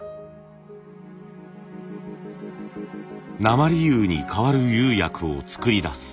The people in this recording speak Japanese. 鉛釉に代わる釉薬を作り出す。